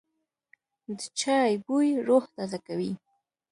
د چای بوی روح تازه کوي.